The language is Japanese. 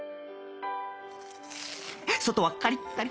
外はカリッカリ。